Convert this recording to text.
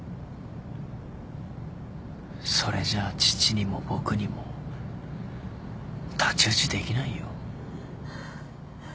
それじゃあ父にも僕にも太刀打ちできないよ。